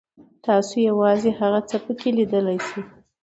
تاسو یوازې هغه څه پکې لیدلی شئ.